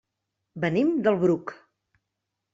Venim del Bruc.